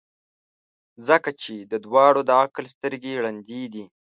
ځکه چي د دواړو د عقل سترګي ړندې دي.